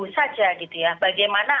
saja gitu ya bagaimana